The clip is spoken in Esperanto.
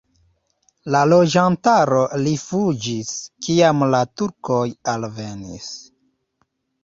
La loĝantaro rifuĝis, kiam la turkoj alvenis.